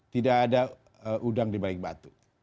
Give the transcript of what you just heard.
tidak ada udang dibalik batu